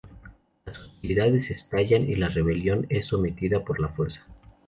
Las hostilidades estallan y la rebelión es sometida por la fuerza.